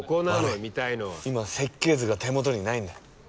今設計図が手元にないんだ。